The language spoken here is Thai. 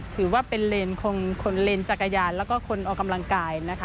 ถือว่าเป็นเลนจักรยานและก็คนออกกำลังกาย